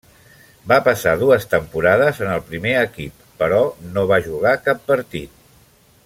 Va passar dues temporades en el primer equip, però no va jugar cap partit.